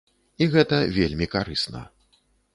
І гэта вельмі карысна.